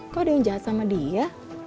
kok ada yang jahat sama dia